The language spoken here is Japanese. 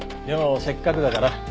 でもせっかくだから。